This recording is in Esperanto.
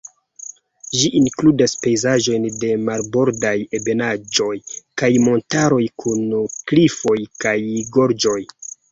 Ĝi inkludas pejzaĝojn de marbordaj ebenaĵoj kaj montaroj kun klifoj kaj gorĝoj.